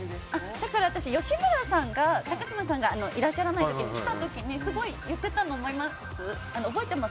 だから私、吉村さんが高嶋さんがいらっしゃらない時来た時にすごい言ってたの覚えてます？